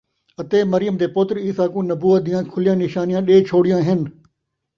اَتے مریم دے پُتر عیسیٰ کُوں نَبوّت دیاں کھلیاں نِشانیاں ݙے چھوڑیاں ہَن،